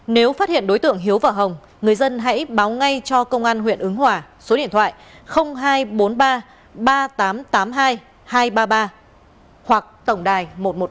nếu phát hiện đối tượng hiếu và hồng người dân hãy báo ngay cho công an huyện ứng hòa số điện thoại hai trăm bốn mươi ba ba nghìn tám trăm tám mươi hai hai trăm ba mươi ba hoặc tổng đài một trăm một mươi ba